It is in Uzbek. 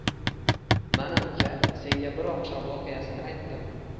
Mana, uka, senga bir oqshom voqeasini aytdim.